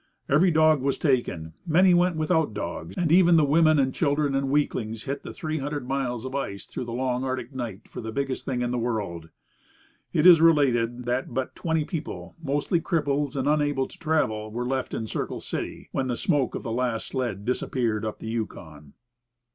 Every dog was taken, many went without dogs, and even the women and children and weaklings hit the three hundred miles of ice through the long Arctic night for the biggest thing in the world. It is related that but twenty people, mostly cripples and unable to travel, were left in Circle City when the smoke of the last sled disappeared up the Yukon.